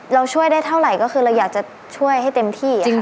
เราช่วยได้เท่าไหร่ก็คือเราอยากจะช่วยให้เต็มที่ค่ะ